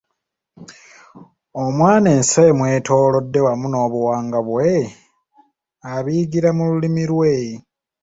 Omwana ensi emwetoolodde wamu n’obuwangwa bwe abiyigira mu lulimi lwe.